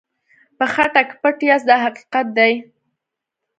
په خټه کې پټ یاست دا حقیقت دی.